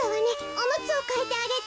おむつをかえてあげて。